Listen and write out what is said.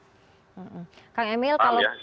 kang emil kalau